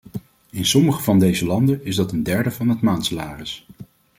In sommige van deze landen is dat een derde van het maandsalaris.